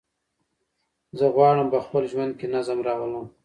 زه غواړم په خپل ژوند کې نظم راولم.